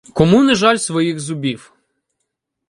Кому не жаль своїх зубів?